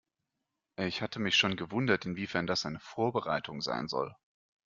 Ich hatte mich schon gewundert, inwiefern das eine Vorbereitung sein soll.